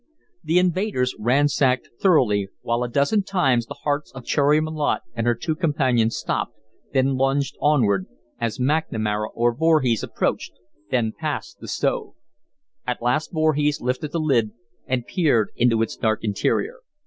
The invaders ransacked thoroughly, while a dozen times the hearts of Cherry Malotte and her two companions stopped, then lunged onward, as McNamara or Voorhees approached, then passed the stove. At last Voorhees lifted the lid and peered into its dark interior.